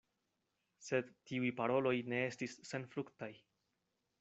Sed tiuj paroloj ne estis senfruktaj.